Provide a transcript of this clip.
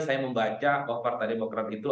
saya membaca oh partai demokrat itu